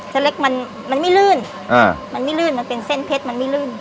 เส้นเล็กมันไม่ลื่นมันเป็นเส้นเพชรมันไม่ลื่น